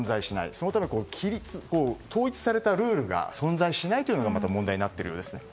そのため、統一されたルールが存在しないというのがまた問題になっているようです。